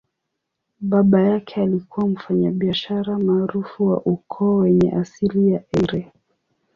Baba yake alikuwa mfanyabiashara maarufu wa ukoo wenye asili ya Eire.